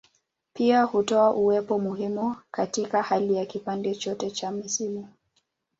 Pia hutoa uwepo muhimu katika hali ya kipande chote cha misimu.